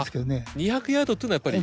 ２００ヤードというのはやっぱり。